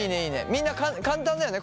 みんな簡単だよね？